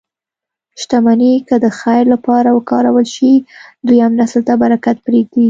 شتمني که د خیر لپاره وکارول شي، دویم نسل ته برکت پرېږدي.